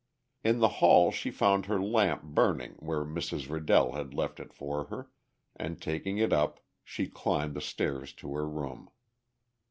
In the hall she found her lamp burning where Mrs. Riddell had left it for her, and taking it up she climbed the stairs to her room.